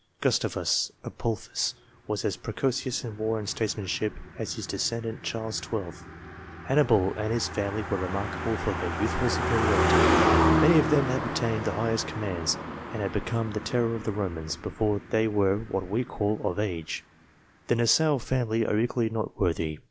Gustavus Adolphus was as precocious in war and statesmanship as his descendant Charles XII. Hannibal and his family were remarkable for their youthful supe riority. Many of them had obtained the highest commands, and had become the terror of the Romans, before they were what we call " of age." The Nassau family are equally noteworthy.